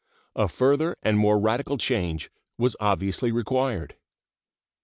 A further and more radical change was obviously required.